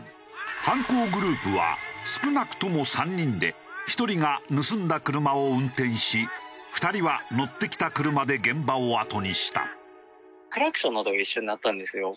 犯行グループは少なくとも３人で１人が盗んだ車を運転し２人は乗ってきた車で現場を後にした。